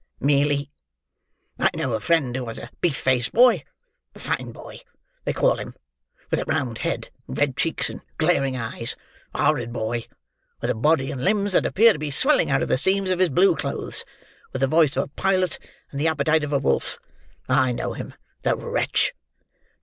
"Mealy. I know a friend who has a beef faced boy; a fine boy, they call him; with a round head, and red cheeks, and glaring eyes; a horrid boy; with a body and limbs that appear to be swelling out of the seams of his blue clothes; with the voice of a pilot, and the appetite of a wolf. I know him! The wretch!"